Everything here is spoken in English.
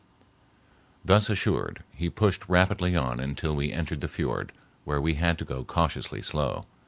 Thus assured, he pushed rapidly on until we entered the fiord, where we had to go cautiously slow.